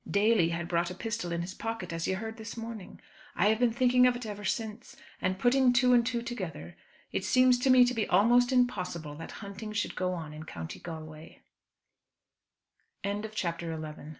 Daly had brought a pistol in his pocket as you heard this morning. I have been thinking of it ever since; and, putting two and two together, it seems to me to be almost impossible that hunting should go on in County Galway." CHAPTER XII. "DON'T HATE HIM, ADA."